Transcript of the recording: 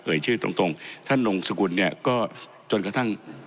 ชื่อตรงตรงท่านนงสกุลเนี่ยก็จนกระทั่ง